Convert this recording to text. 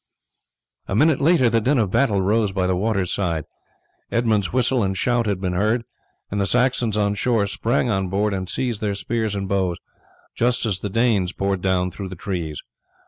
A minute later the din of battle rose by the water's side; Edmund's whistle and shout had been heard, and the Saxons on shore sprang on board and seized their spears and bows just as the Danes poured down through the trees.